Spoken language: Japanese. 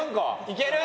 いける！